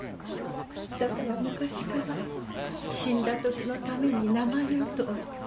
だから昔から死んだときのために名前をと。